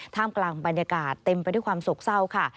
กลางบรรยากาศเต็มไปด้วยความโศกเศร้าค่ะ